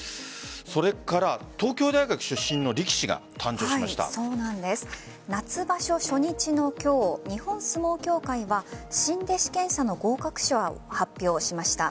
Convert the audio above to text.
それから東京大学出身の力士が夏場所初日の今日日本相撲協会は新弟子検査の合格者を発表しました。